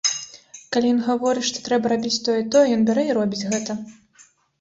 Калі ён гаворыць, што трэба рабіць тое і тое, ён бярэ і робіць гэта.